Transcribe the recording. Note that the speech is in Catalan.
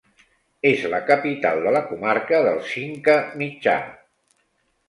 És la capital de la comarca del Cinca Mitjà.